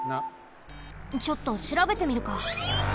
ちょっとしらべてみるか。